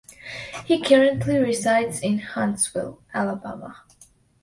He currently resides in Huntsville, Alabama.